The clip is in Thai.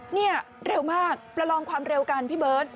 นี่เร็วมากประลองความเร็วกันพี่เบิร์ต